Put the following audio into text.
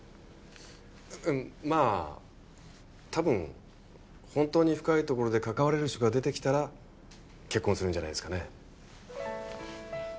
まあたぶん本当に深いところで関われる人が出てきたら結婚するんじゃないですかね。